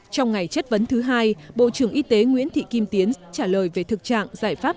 trong ngày chất vấn thứ hai bộ trưởng y tế nguyễn thị kim tiến trả lời về thực trạng giải pháp